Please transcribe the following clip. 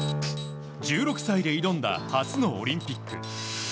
１６歳で挑んだ初のオリンピック。